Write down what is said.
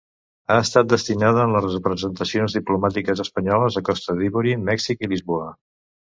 Ha estat destinada en les representacions diplomàtiques espanyoles a Costa d'Ivori, Mèxic i Lisboa.